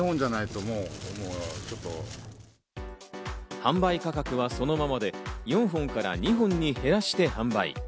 販売価格はそのままで４本から２本に減らして販売。